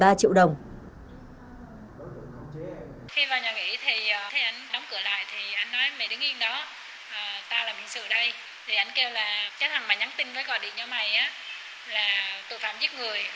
cái thằng mà nhắn tin với gọi điện cho mày là tội phạm giết người